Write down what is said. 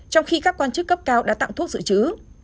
trong khi các quan chức cấp cao đã tặng thuốc dự trữ